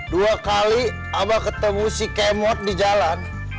dua kali abah ketemu si kemot di jalan